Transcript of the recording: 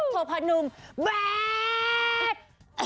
โทษพาหนุ่มแบด